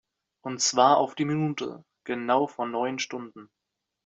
Und zwar auf die Minute genau vor neun Stunden.